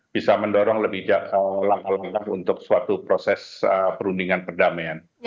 bisa mendorong langkah langkah untuk suatu proses perundingan perdamaian